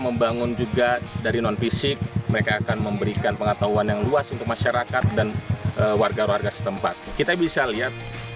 membangun juga dari non fisik mereka akan memberikan pengetahuan yang luas untuk masyarakat dan warga warga setempat kita bisa lihat